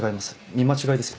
見間違いですよ。